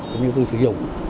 cũng như tôi sử dụng